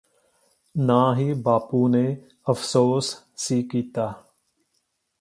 ਨਾਂ ਹੀ ਬਾਪੂ ਨੇ ਅਫਸੋਸ ਸੀ ਕੀਤਾ